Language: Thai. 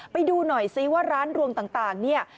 ไปดูหน่อยซิว่าร้านรวมต่างเนี่ย